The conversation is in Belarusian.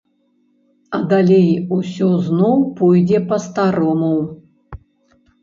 А далей усё зноў пойдзе па-старому.